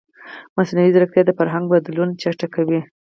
مصنوعي ځیرکتیا د فرهنګي بدلون چټکوي.